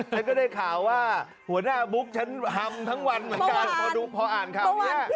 ฉันก็ได้ข่าวว่าหัวหน้าบุ๊กฉันหำทั้งวันเหมือนกัน